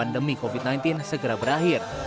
pandemi covid sembilan belas segera berakhir